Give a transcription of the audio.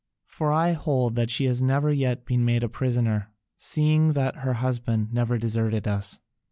For I hold that she has never yet been made a prisoner, seeing that her husband never deserted us.